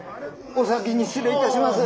お先に失礼致します。